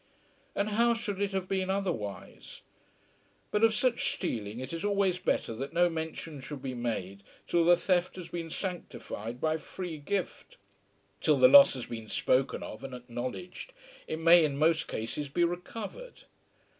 And how should it have been otherwise? But of such stealing it is always better that no mention should be made till the theft has been sanctified by free gift. Till the loss has been spoken of and acknowledged, it may in most cases be recovered.